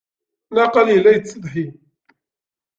Naqal yella yettsetḥi.